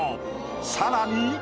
さらに。